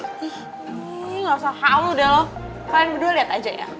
ih gak usah hau deh lo kalian berdua liat aja ya